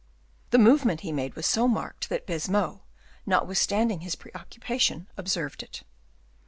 The movement he made was so marked that Baisemeaux, notwithstanding his preoccupation, observed it.